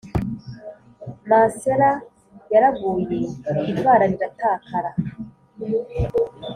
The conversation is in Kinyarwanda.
Mansera yaraguye ivara riratakara